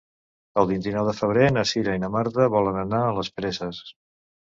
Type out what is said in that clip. El vint-i-nou de febrer na Cira i na Marta volen anar a les Preses.